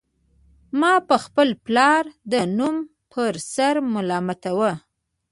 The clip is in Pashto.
ما به خپل پلار د نوم په سر ملامتاوه